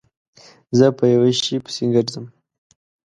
زه په یوه شي پسې گرځم